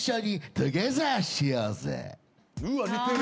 うわっ似てる。